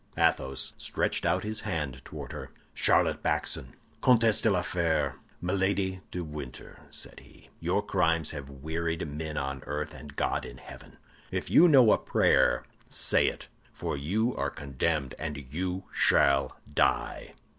Athos stretched out his hand toward her. "Charlotte Backson, Comtesse de la Fère, Milady de Winter," said he, "your crimes have wearied men on earth and God in heaven. If you know a prayer, say it—for you are condemned, and you shall die."